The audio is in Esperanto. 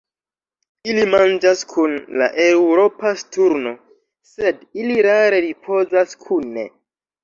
Ili manĝas kun la Eŭropa sturno, sed ili rare ripozas kune.